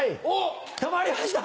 たまりました！